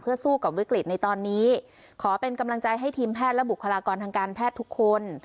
สู้กับวิกฤตในตอนนี้ขอเป็นกำลังใจให้ทีมแพทย์และบุคลากรทางการแพทย์ทุกคน